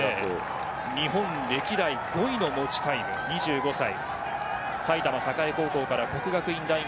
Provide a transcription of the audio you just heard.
日本歴代５位の持ちタイムの２５歳です。